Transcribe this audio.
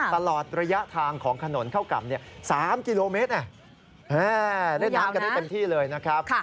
ตลอดระยะทางของถนนเข้ากลับ๓กิโลเมตรเล่นน้ำกันได้เต็มที่เลยนะครับ